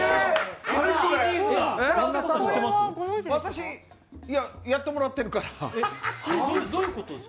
私、やってもらってるから。